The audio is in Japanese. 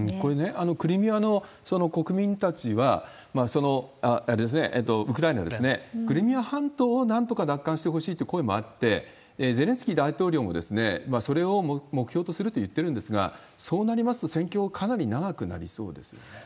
クリミアの国民たちは、ウクライナですね、クリミア半島をなんとか奪還してほしいという声もあって、ゼレンスキー大統領もそれを目標とすると言ってるんですが、そうなりますと、戦況はかなり長くなりそうですよね。